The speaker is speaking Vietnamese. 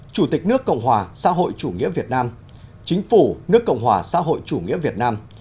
chủ tịch nước cộng hòa xã hội chủ nghĩa việt nam chính phủ nước cộng hòa xã hội chủ nghĩa việt nam